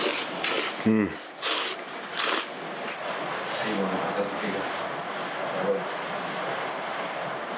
最後の片付けが。